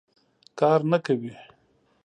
کار نه کوي.